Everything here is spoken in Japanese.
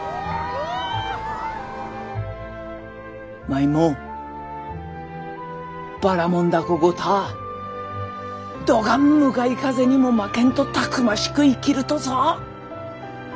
舞もばらもん凧ごたぁどがん向かい風にも負けんとたくましく生きるとぞ。